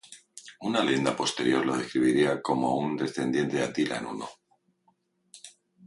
Una leyenda posterior lo describiría como un descendiente de Atila el Huno.